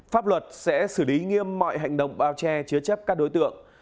pháp luật sẽ xử lý nghiêm mọi hành động bao che chứa chấp các đối tượng